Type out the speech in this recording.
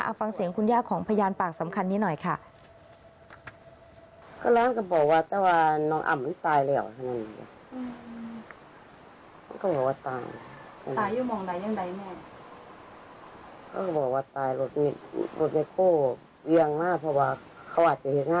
เอาฟังเสียงคุณย่าของพยานปากสำคัญนี้หน่อยค่ะ